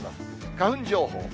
花粉情報。